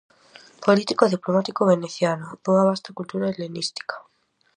Político e diplomático veneciano, dunha vasta cultura helenística.